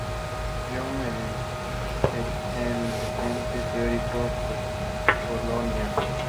Young, el eminente teórico postcolonial.